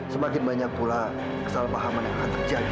semakin banyak pula kesalahpahaman yang akan terjadi